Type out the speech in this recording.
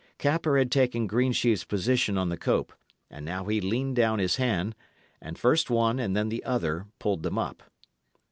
Capper had taken Greensheve's position on the cope, and now he leaned down his hand, and, first one and then the other, pulled them up.